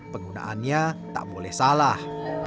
penggunaannya tak boleh salah